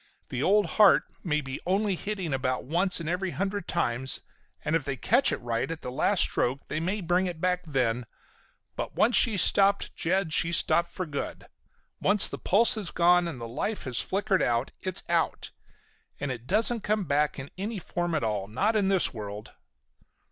The old heart may be only hitting about once in every hundred times, and if they catch it right at the last stroke they may bring it back then, but once she's stopped, Jed, she's stopped for good. Once the pulse has gone, and life has flickered out, it's out. And it doesn't come back in any form at all, not in this world!"